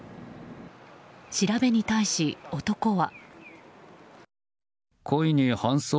調べに対し、男は。